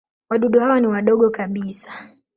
Wadudu hawa ni wadogo kabisa.